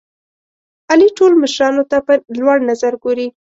علي ټول مشرانو ته په لوړ نظر ګوري.